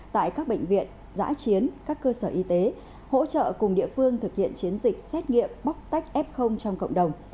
tại các bệnh viện giã chiến các cơ sở y tế hỗ trợ cùng địa phương thực hiện chiến dịch xét nghiệm bóc tách f trong cộng đồng